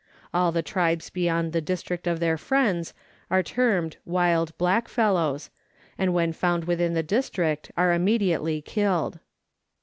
All the tribes beyond the district of their friends are termed wild blackfellows, and when found within the district are immediately killed.